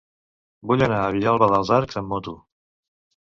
Vull anar a Vilalba dels Arcs amb moto.